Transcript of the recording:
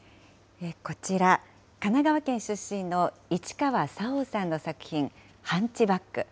こちら、神奈川県出身の市川沙央さんの作品、ハンチバック。